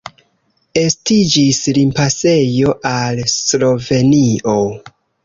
Estiĝis limpasejo al Slovenio.